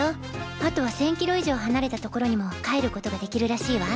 ハトは１０００キロ以上離れた所にも帰ることができるらしいわ。